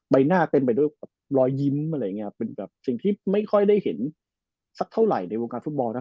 ใบหน้าเต็มไปด้วยแบบรอยยิ้มอะไรอย่างเงี้ยเป็นแบบสิ่งที่ไม่ค่อยได้เห็นสักเท่าไหร่ในวงการฟุตบอลนะ